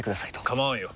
構わんよ。